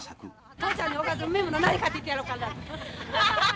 父ちゃんにおかず、うめぇもん何買っていってやろうかな。